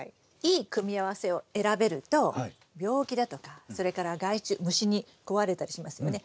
いい組み合わせを選べると病気だとかそれから害虫虫に食われたりしますよね